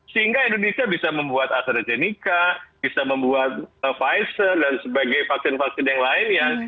sehingga indonesia bisa membuat astrazeneca bisa membuat pfizer dan sebagainya